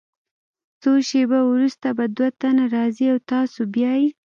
څو شیبې وروسته به دوه تنه راځي او تاسو بیایي.